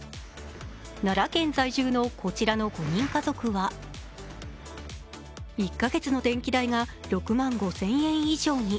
奈良県在住のこちらの５人家族は、１か月の電気代が６万５０００円以上に。